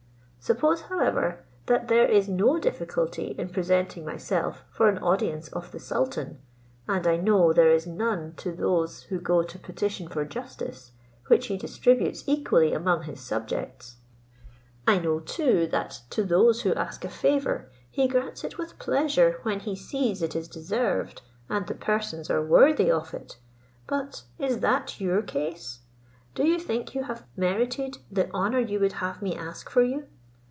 Suppose, however, that there is no difficulty in presenting myself for an audience of the sultan, and I know there is none to those who go to petition for justice, which he distributes equally among his subjects; I know too that to those who ask a favour he grants it with pleasure when he sees it is deserved, and the persons are worthy of it. But is that your case? Do you think you have merited the honour you would have me ask for you?